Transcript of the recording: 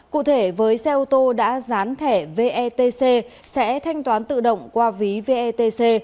cụ thể với xe ô tô đã dán thẻ vetc sẽ thanh toán tự động qua ví vetc